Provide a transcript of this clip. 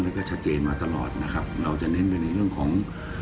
และก็ชะเจมาตลอดเราจะเน้นไปในเรื่องของ